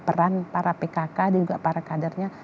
peran para pkk dan juga para kadernya